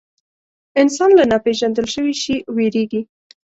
انسان له ناپېژندل شوي شي وېرېږي.